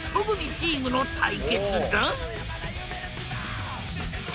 チームの対決だ！